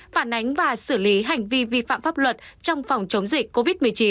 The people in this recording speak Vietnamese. phản ánh và xử lý hành vi vi phạm pháp luật trong phòng chống dịch covid một mươi chín